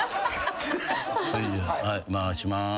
それじゃあ回しまーす。